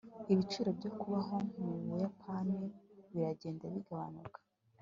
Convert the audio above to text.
ibiciro byo kubaho mu buyapani biragenda bigabanuka